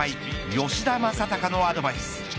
吉田正尚のアドバイス。